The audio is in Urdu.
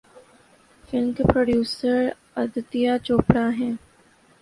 فلم کے پروڈیوسر ادتیہ چوپڑا ہیں۔